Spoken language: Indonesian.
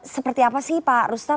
seperti apa sih pak rustam